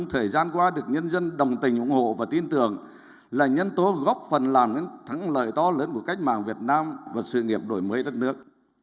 thời gian qua được nhân dân đồng tình ủng hộ và tin tưởng là nhân tố góp phần làm nên thắng lợi to lớn của cách mạng việt nam và sự nghiệp đổi mới đất nước